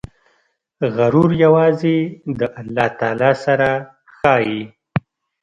غرور یوازې د الله تعالی سره ښایي.